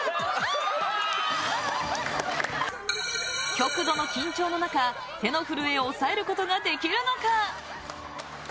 極度の緊張の中、手の震えを抑えることができるのか？